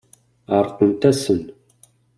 Ɛerqent-asen.